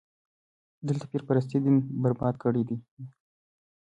دلته پير پرستي دين برباد کړی دی.